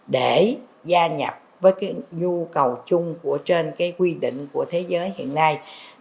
để gia nhập với nhu cầu chung trên quy định của thế giới hiện nay